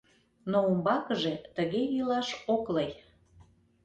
Но умбакыже тыге илаш ок лый.